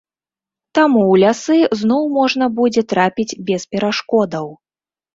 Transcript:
Таму ў лясы зноў можна будзе трапіць без перашкодаў.